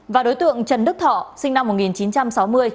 và đối tượng trần đức thọ sinh năm một nghìn chín trăm sáu mươi